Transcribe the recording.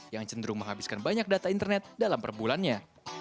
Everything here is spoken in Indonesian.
yang cenderung menghabiskan banyak data internet dalam perbulannya